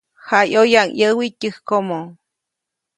Jaʼyoyaʼuŋ ʼyäwi tyäjkomo.